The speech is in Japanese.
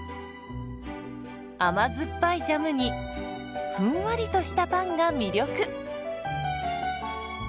甘酸っぱいジャムにふんわりとしたパンが魅力。